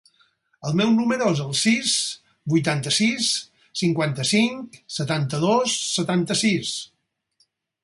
El meu número es el sis, vuitanta-sis, cinquanta-cinc, setanta-dos, setanta-sis.